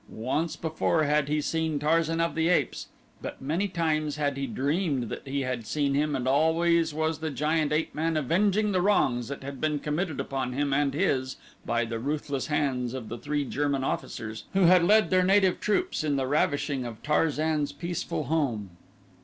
Once before had he seen Tarzan of the Apes, but many times had he dreamed that he had seen him and always was the giant ape man avenging the wrongs that had been committed upon him and his by the ruthless hands of the three German officers who had led their native troops in the ravishing of Tarzan's peaceful home.